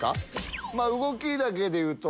動きだけでいうと。